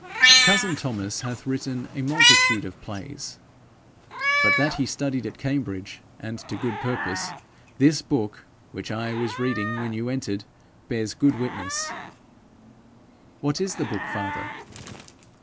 Cousin Thomas hath written a multitude of plays, but that he studied at Cambridge, and to good purpose, this book, which I was reading when you entered, bears good witness.' 'What is the book, father?'